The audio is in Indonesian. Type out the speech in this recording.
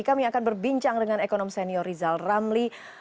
kami akan berbincang dengan ekonom senior rizal ramli